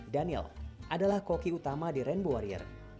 daniel adalah koki utama di rainbow warrior